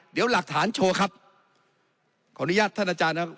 เดี๋ยวหลักฐานโชว์ครับขออนุญาตท่านอาจารย์นะครับ